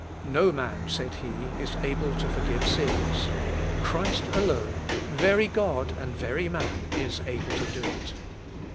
"No man," said he, "is able to forgive sins. Christ alone, very God and very man, is able to do it.